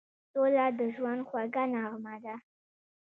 سوله د ژوند خوږه نغمه ده.